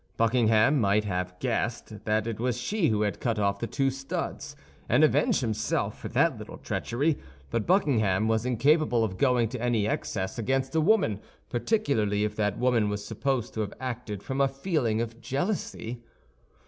Buckingham might have guessed that it was she who had cut off the two studs, and avenge himself for that little treachery; but Buckingham was incapable of going to any excess against a woman, particularly if that woman was supposed to have acted from a feeling of jealousy.